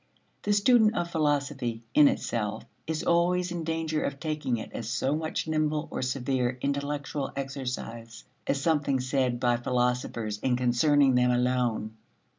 The student of philosophy "in itself" is always in danger of taking it as so much nimble or severe intellectual exercise as something said by philosophers and concerning them alone.